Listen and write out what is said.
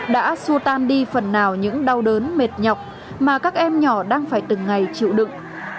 đã xua tan đi phần nào những đau đớn mệt nhọc mà các em nhỏ đang phải từng ngày chịu đựng